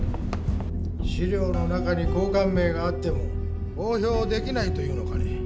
資料の中に高官名があっても公表できないというのかね。